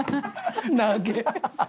長え！